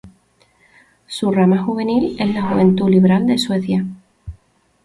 Su rama juvenil es la Juventud Liberal de Suecia.